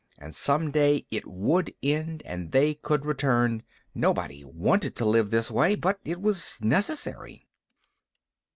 And some day it would end and they could return. Nobody wanted to live this way, but it was necessary.